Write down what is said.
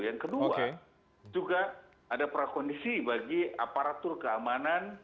yang kedua juga ada prakondisi bagi aparatur keamanan